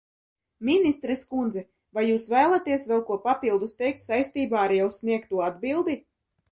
Ministres kundze, vai jūs vēlaties vēl ko papildus teikt saistībā ar jau sniegto atbildi?